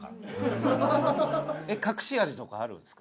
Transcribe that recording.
隠し味とかあるんですか？